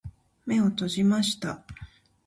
目を閉じました。